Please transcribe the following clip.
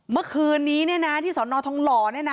เมื่อคืนนี้ที่สอนทอร์ทองหล่อ